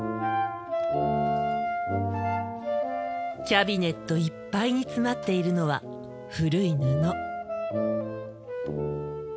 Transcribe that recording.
キャビネットいっぱいに詰まっているのは古い布。